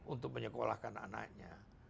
untuk menyekolahkan anaknya